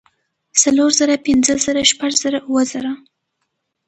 څلور زره پنځۀ زره شپږ زره اووه زره